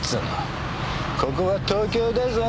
ここは東京だぞ。